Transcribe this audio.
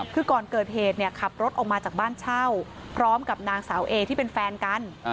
คือก่อนเกิดเหตุขับรถออกมาจากบ้านเช่าพร้อมกับนางสาวเอที่เป็นแฟนกัน